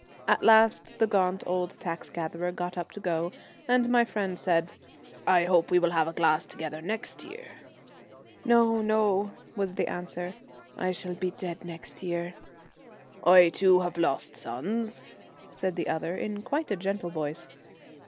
At last the gaunt old tax gatherer got up to go, and my friend said, ' I hope we will have a glass together next year.' ' No, no,' was the 53 The answer, ' I shall be dead next year. ' I Celtic .,. Twilight, too have lost sons,' said the other, in quite a gentle voice.